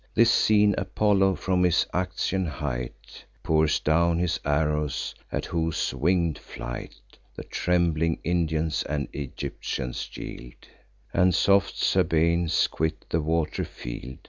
This seen, Apollo, from his Actian height, Pours down his arrows; at whose winged flight The trembling Indians and Egyptians yield, And soft Sabaeans quit the wat'ry field.